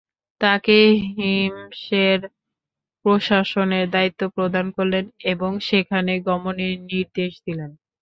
তাঁকে হিমসের প্রশাসনের দায়িত্ব প্রদান করলেন এবং সেখানে গমনের নির্দেশ দিলেন।